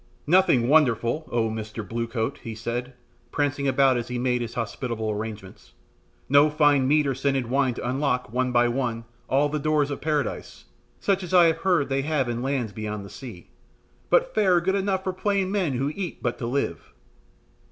"Nothing wonderful! Oh, Mr. Blue coat!" he said, prancing about as he made his hospitable arrangements. "No fine meat or scented wine to unlock, one by one, all the doors of paradise, such as I have heard they have in lands beyond the sea; but fare good enough for plain men who eat but to live.